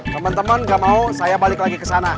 temen temen nggak mau saya balik lagi kesana